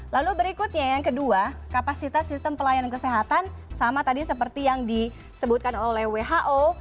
lalu berikutnya yang kedua kapasitas sistem pelayanan kesehatan sama tadi seperti yang disebutkan oleh who